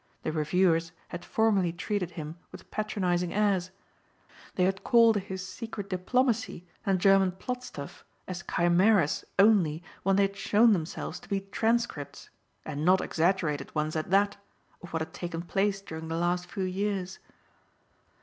The reviewers had formerly treated him with patronizing airs; they had called his secret diplomacy and German plot stuff as chimeras only when they had shown themselves to be transcripts, and not exaggerated ones at that, of what had taken place during the last few years.